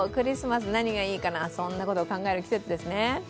何がいいかな、そんなことを考える季節ですね